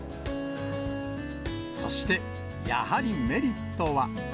そして、やはりメリットは。